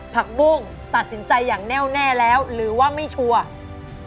ผักบุ้งตัดสินใจอย่างแน่วแน่แล้วหรือว่าไม่ชัวร์